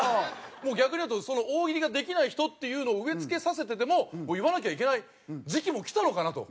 もう逆に言うとその大喜利ができない人っていうのを植え付けさせてでも言わなきゃいけない時期もきたのかなと。